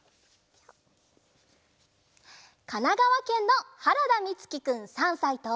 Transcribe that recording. かながわけんのはらだみつきくん３さいと。